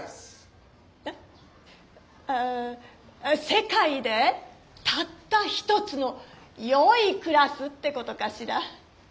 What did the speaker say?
世界でたった一つのよいクラスってことかしら？